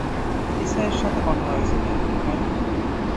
SI এর সাথে কথা হয়েছে তো, তাই না?